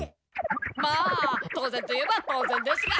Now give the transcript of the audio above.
まあ当然といえば当然ですが。